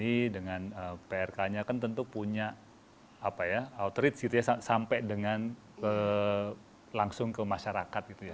tapi dengan prk nya kan tentu punya outreach gitu ya sampai dengan langsung ke masyarakat gitu ya